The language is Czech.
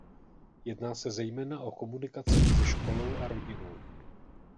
Jedná se zejména o komunikaci mezi školou a rodinou.